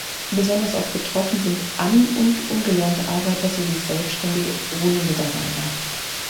Besonders oft betroffen sind an- und ungelernte Arbeiter sowie Selbstständige ohne Mitarbeiter.